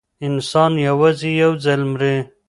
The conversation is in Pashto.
انسان یوازې یو ځل مري.